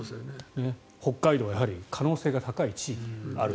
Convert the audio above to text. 北海道は、やはり可能性が高い地域であると。